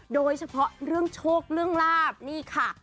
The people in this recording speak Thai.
โดยเฉพาะเรื่องโชคเรื่องลาบนี่ค่ะ